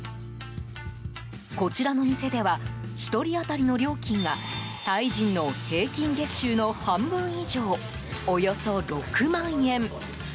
こちらの店では１人当たりの料金がタイ人の平均月収の半分以上およそ６万円。